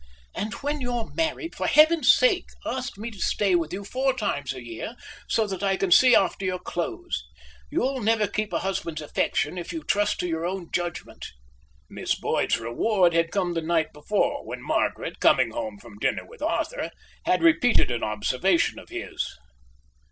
"And when you're married, for heaven's sake ask me to stay with you four times a year, so that I can see after your clothes. You'll never keep your husband's affection if you trust to your own judgment." Miss Boyd's reward had come the night before, when Margaret, coming home from dinner with Arthur, had repeated an observation of his.